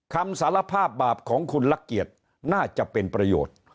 คำสารภาพบาปของคุณละเกียรติน่าจะเป็นประโยชน์